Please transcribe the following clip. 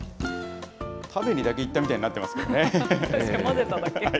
食べにだけ行ったみたいになってますけどね。